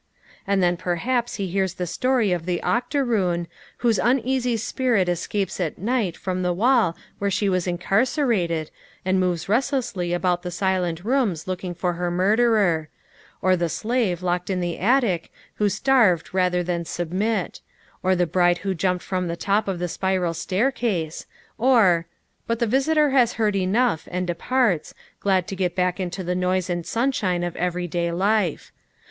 And then perhaps he hears the story of the Octoroon, whose uneasy spirit escapes at night from the wall where she was incarcerated and moves restlessly about the silent rooms looking for her murderer; or the slave locked in the attic, who starved rather than submit; or the bride who jumped from the top of the spiral staircase ; or But the visitor has heard enough and departs, glad to get back into the noise and sunshine of everyday life.